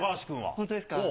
本当ですか？